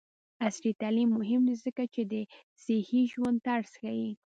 عصري تعلیم مهم دی ځکه چې د صحي ژوند طرز ښيي.